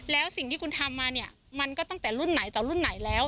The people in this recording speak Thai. แล้วสิ่งที่คุณทำมาเนี่ยมันก็ตั้งแต่รุ่นไหนต่อรุ่นไหนแล้ว